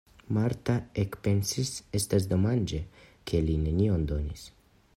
Marta ekpensis: estas domaĝe, ke li nenion donis!